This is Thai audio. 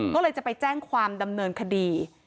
ก็เลยจะไปแจ้งความดำเนินคดี